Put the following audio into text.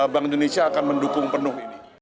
bank indonesia akan mendukung penuh ini